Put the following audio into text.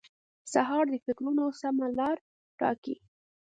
سهار د فکرونو سمه لار ټاکي.